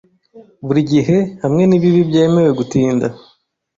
Buri gihe hamwe n'ibibi byemewe gutinda